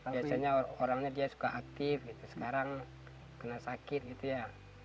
biasanya orangnya dia suka aktif sekarang kena sakit gitu ya